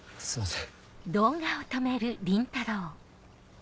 すいません。